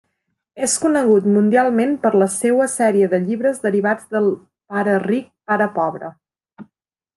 És conegut mundialment per la seua sèrie de llibres derivats de Pare Ric, Pare Pobre.